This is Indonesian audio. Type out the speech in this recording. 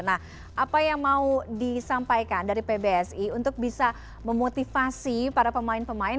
nah apa yang mau disampaikan dari pbsi untuk bisa memotivasi para pemain pemain